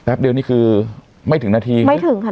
เดียวนี่คือไม่ถึงนาทีไม่ถึงค่ะ